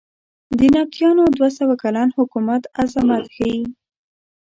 د نبطیانو دوه سوه کلن حکومت عظمت ښیې.